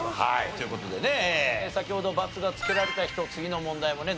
という事でね先ほどバツがつけられた人次の問題もね